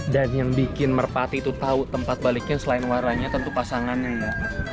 dan yang bikin merpati tuh tahu tempat baliknya selain waranya tentu pasangannya ya